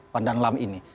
van daan lam ini